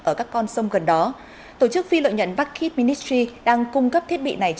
ở các con sông gần đó tổ chức phi lợi nhận bucket ministry đang cung cấp thiết bị này